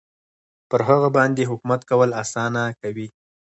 پر هغه باندې حکومت کول اسانه کوي.